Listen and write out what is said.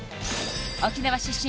沖縄出身